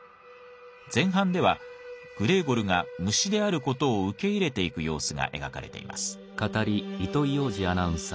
前半ではグレーゴルが虫である事を受け入れていく様子が描かれています。